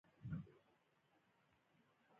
بیا به افغانستان ته د خپلو قواوو لېږلو ته زړه ښه کړي.